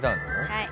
はい。